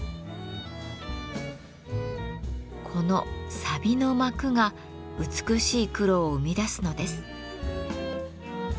このさびの膜が美しい黒を生み出すのです。